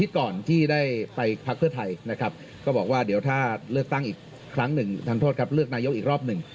ก็จะบอกว่าเดี๋ยวถ้าเลือกตั้งอีกครั้งหนึ่งทางโทษครับเลือกนายกอีกรอบหนึ่ง